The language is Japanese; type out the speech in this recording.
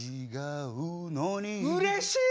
うれしい！